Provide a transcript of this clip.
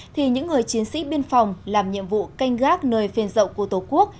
thì những người chiến sĩ biên phòng làm nhiệm vụ canh gác nơi phên dậu của tổ quốc